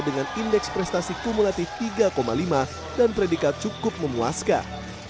dengan indeks prestasi kumulatif tiga lima dan predikat cukup memuaskan